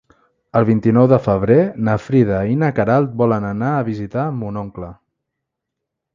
El vint-i-nou de febrer na Frida i na Queralt volen anar a visitar mon oncle.